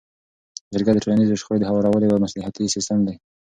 جرګه د ټولنیزو شخړو د هوارولو یو مصلحتي سیستم دی.